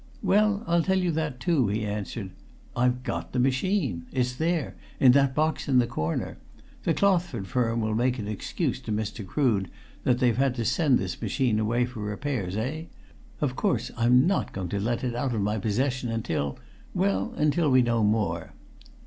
"Well, I'll tell you that too," he answered. "I've got the machine! It's there in that box in the corner. The Clothford firm will make an excuse to Mr. Crood that they've had to send this machine away for repairs eh? Of course I'm not going to let it out of my possession until well, until we know more."